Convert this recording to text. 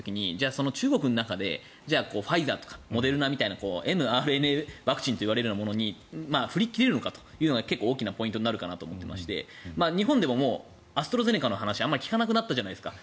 その中国の中でファイザーとかモデルナみたいなｍＲＮＡワクチンといわれるものに振り切れるのかが結構、大きなポイントになると思っていまして日本でもアストラゼネカの話あまり効かなくなったじゃないですか。